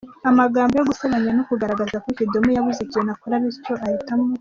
amagambo yo gusebanya no kugaragaza ko Kidum yabuze ikintu akora bityo ahitamo.